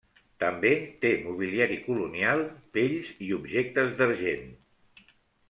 També té mobiliari colonial, pells i objectes d'argent.